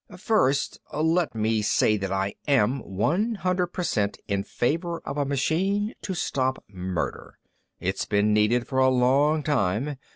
"First, let me say that I am one hundred per cent in favor of a machine to stop murder. It's been needed for a long time.